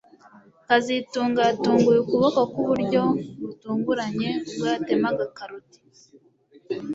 kazitunga yatunguye ukuboko ku buryo butunguranye ubwo yatemaga karoti